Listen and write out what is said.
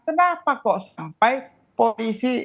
kenapa kok sampai polisi